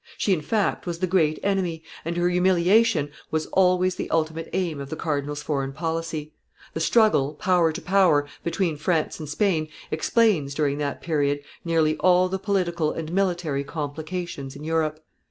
She, in fact, was the great enemy, and her humiliation was always the ultimate aim of the cardinal's foreign policy; the struggle, power to power, between France and Spain, explains, during that period, nearly all the political and military complications in Europe.